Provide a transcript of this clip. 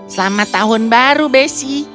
selamat tahun baru bessie